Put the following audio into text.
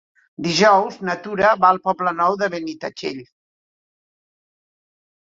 Dijous na Tura va al Poble Nou de Benitatxell.